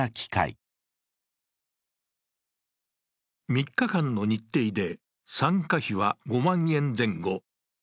３日間の日程で、参加費は５万円前後。